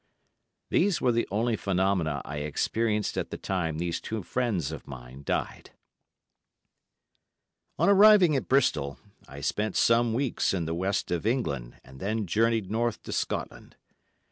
These were the only phenomena I experienced at the time these two friends of mine died. On arriving at Bristol, I spent some weeks in the West of England and then journeyed north to Scotland.